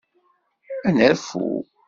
Ad nerfu.